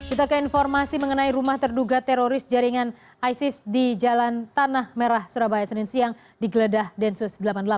kita ke informasi mengenai rumah terduga teroris jaringan isis di jalan tanah merah surabaya senin siang digeledah densus delapan puluh delapan